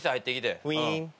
ウィーン。